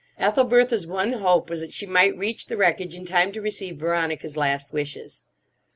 Ethelbertha's one hope was that she might reach the wreckage in time to receive Veronica's last wishes.